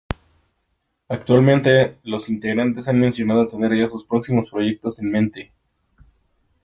Actualmente los ex-integrantes han mencionado tener ya sus próximos proyectos en mente.